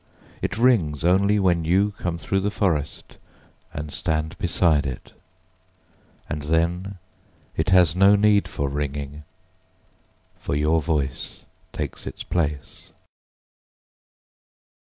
It rings only when you come through the forestAnd stand beside it. And then, it has no need for ringing, For your voice takes its place.